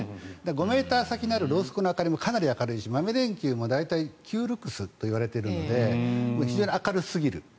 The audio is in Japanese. ５ｍ先にあるろうそくの明かりもかなり明るいし豆電球も、大体９ルクスといわれているので非常に明るすぎる。